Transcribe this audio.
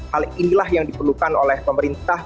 hal inilah yang diperlukan oleh pemerintah